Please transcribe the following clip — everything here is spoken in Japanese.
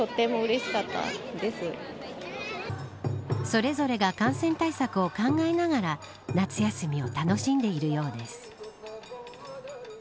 それぞれが感染対策を考えながら夏休みを楽しんでいるようです。